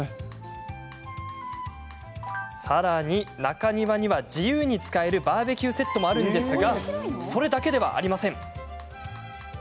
さらに中庭には自由に使えるバーベキューセットもあるんですがそれだけではありません。